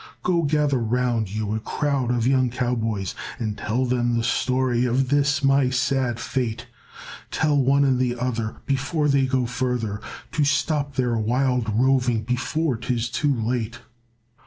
"Go gather around you a crowd of young cowboys, And tell them the story of this my sad fate; Tell one and the other before they go further To stop their wild roving before 'tis too late.